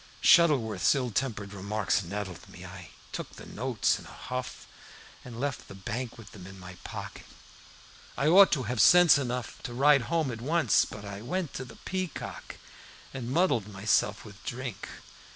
"Shuttleworth's ill tempered remarks nettled me. I took the notes in a huff, and left the bank with them in my pocket. I ought to have had sense enough to ride home at once, but I went to the Peacock and muddled myself with drink.